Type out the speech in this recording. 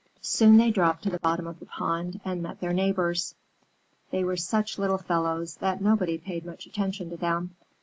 Soon they dropped to the bottom of the pond and met their neighbors. They were such little fellows that nobody paid much attention to them.